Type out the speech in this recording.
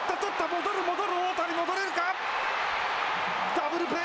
戻る戻る大谷、戻れるか。